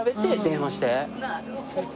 なるほど！